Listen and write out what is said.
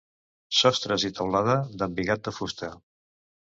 Sostres i teulada d'embigat de fusta.